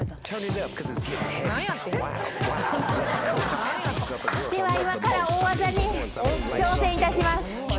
では今から大技に挑戦いたします。